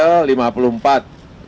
untuk pilih keputusan